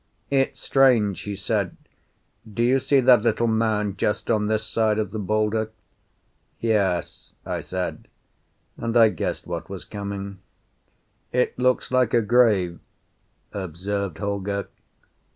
"It's strange," he said. "Do you see that little mound just on this side of the boulder?" "Yes," I said, and I guessed what was coming. "It looks like a grave," observed Holger.